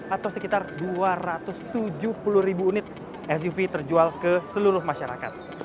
atau sekitar dua ratus tujuh puluh ribu unit suv terjual ke seluruh masyarakat